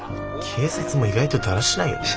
警察も意外とだらしないよね。